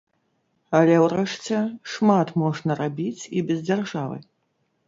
Але ўрэшце, шмат можна рабіць і без дзяржавы.